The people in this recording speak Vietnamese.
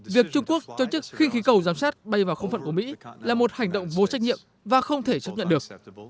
việc trung quốc cho chức khinh khí cầu giám sát bay vào không phận của mỹ là một hành động vô trách nhiệm và không thể chấp nhận được